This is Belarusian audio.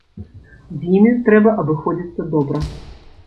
З імі трэба абыходзіцца добра.